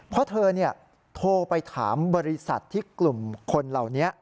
เพราะเธอโทรไปถามบริษัทที่กลุ่มคนเหล่านี้